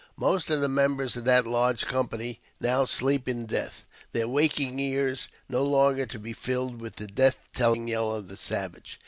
Most of the members of that large company now sleep in death, their waking ears no longer to be filled with the death telling yell of the savage.